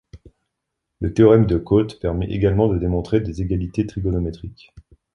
Le théorème de Cotes permet également de démontrer des égalités trigonométriques.